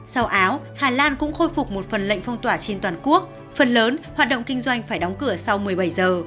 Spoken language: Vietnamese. sau áo hà lan cũng khôi phục một phần lệnh phong tỏa trên toàn quốc phần lớn hoạt động kinh doanh phải đóng cửa sau một mươi bảy giờ